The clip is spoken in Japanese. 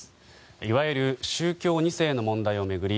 いわゆる宗教２世の問題を巡り